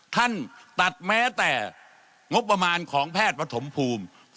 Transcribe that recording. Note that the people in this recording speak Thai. ท่านตัดแม้แต่งบประมาณของแพทย์ปฐมภูมิ